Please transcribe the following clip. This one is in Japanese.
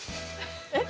えっ？